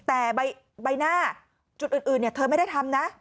แต่ใบหน้าจุดอื่นเธอไม่ได้ทำนะ